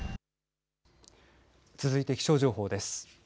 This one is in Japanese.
続いて気象情報です。